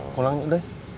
pulang yuk doi